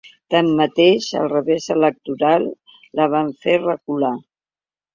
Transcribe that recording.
Tanmateix, el revés electoral la van fer recular.